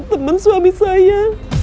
teman suami saya